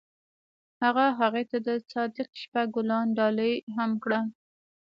هغه هغې ته د صادق شپه ګلان ډالۍ هم کړل.